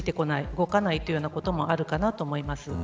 動かないということもあると思います。